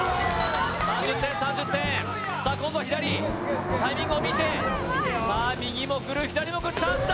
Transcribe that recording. ３０点３０点さあ今度は左タイミングを見てさあ右も来る左もチャンスだ！